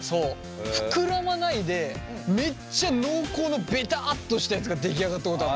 膨らまないでめっちゃ濃厚のベタっとしたやつが出来上がったことある。